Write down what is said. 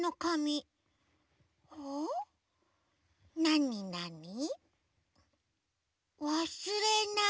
なになに？